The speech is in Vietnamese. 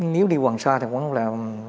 nếu đi hoàng sa thì cũng là